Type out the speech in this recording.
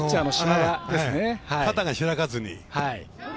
肩が開かずに。